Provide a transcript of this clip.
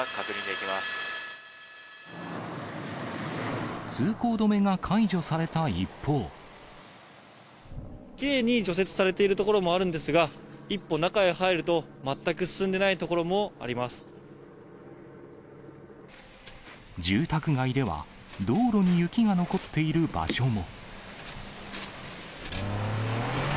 きれいに除雪されている所もあるんですが、一歩中へ入ると、住宅街では、道路に雪が残っている場所も。